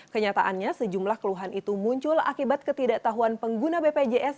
kenyataannya sejumlah keluhan itu muncul akibat ketidaktahuan pengguna bpjs